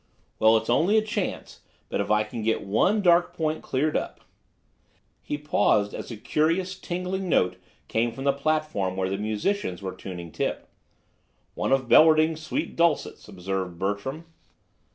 "Well, it's only a chance; but if I can get one dark point cleared up—" He paused as a curious, tingling note came from the platform where the musicians were tuning tip. "One of Bellerding's sweet dulcets," observed Bertram.